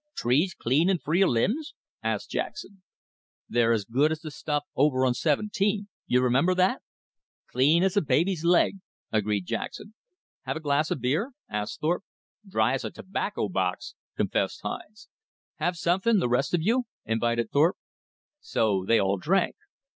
"Trees clean an' free of limbs?" asked Jackson. "They're as good as the stuff over on seventeen; you remember that." "Clean as a baby's leg," agreed Jackson. "Have a glass of beer?" asked Thorpe. "Dry as a tobacco box," confessed Hines. "Have something, the rest of you?" invited Thorpe. So they all drank.